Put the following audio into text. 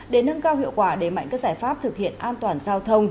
để nâng cao hiệu quả đề mạnh các giải pháp thực hiện an toàn giao thông